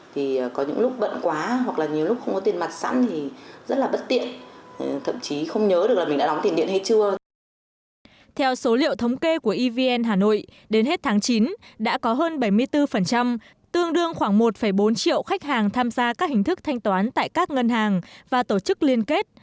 tổng cơ của evn hà nội đến hết tháng chín đã có hơn bảy mươi bốn tương đương khoảng một bốn triệu khách hàng tham gia các hình thức thanh toán tại các ngân hàng và tổ chức liên kết